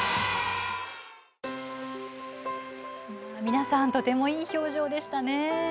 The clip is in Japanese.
皆さんとてもいい表情でしたね。